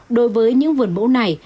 đối với những vườn mẫu này